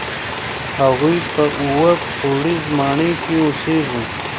هغوی په اووه پوړیزه ماڼۍ کې اوسېږي.